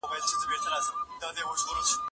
زه هره ورځ موسيقي اورم؟